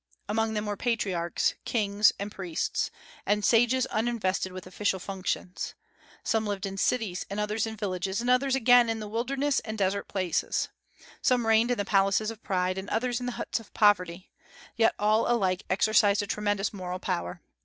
Among them were patriarchs, kings, and priests, and sages uninvested with official functions. Some lived in cities and others in villages, and others again in the wilderness and desert places; some reigned in the palaces of pride, and others in the huts of poverty, yet all alike exercised a tremendous moral power.